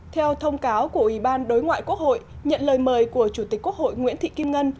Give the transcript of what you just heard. theo thông cáo của ủy ban đối ngoại quốc hội nhận lời mời của chủ tịch quốc hội nguyễn thị kim ngân